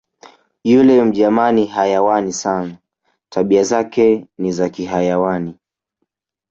"Yule mjamaa ni hayawani sana, tabia zake ni za kihayawani"